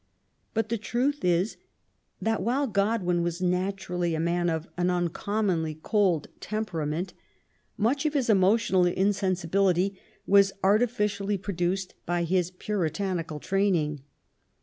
But the truth is that, while Godwin was naturally a man of an uncommonly cold temperament, much of his emotional insensibility was artificially produced by his puritanical training.